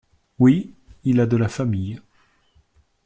Oui… il a de la famille…